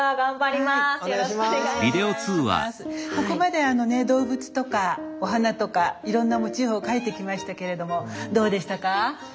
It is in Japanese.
ここまで動物とかお花とかいろんなモチーフを描いてきましたけれどもどうでしたか？